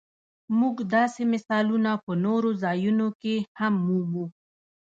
موږ داسې مثالونه په نورو ځایونو کې هم مومو.